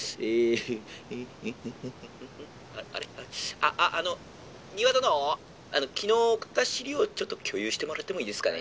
あっあの丹羽殿昨日送った資料ちょっと共有してもらってもいいですかね」。